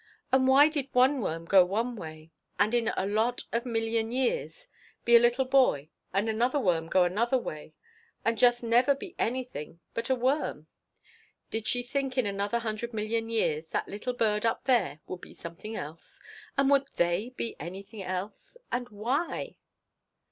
And why did one worm go one way and in a lot of million years be a little boy and another worm go another way and just never be anything but a worm? Did she think in another hundred million years that little bird up there would be something else? Would they be anything else? And why